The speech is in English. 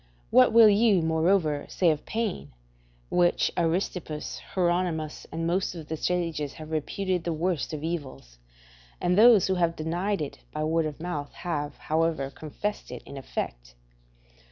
What will you, moreover, say of pain, which Aristippus, Hieronimus, and most of the sages have reputed the worst of evils; and those who have denied it by word of mouth have, however, confessed it in effect?